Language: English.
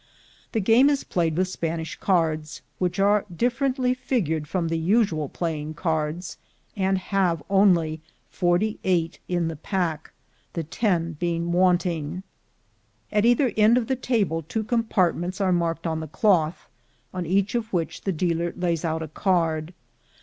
The game is played with Spanish cards, which are differently figured from the usual playing cards, and have only forty eight in the pack, the ten being wanting. At either end of the table two compartments, are marked on the cloth, on each of which the dealer lays out a card.